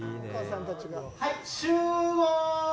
はいっ、集合！